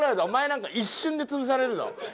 お前なんか一瞬で潰されるぞ。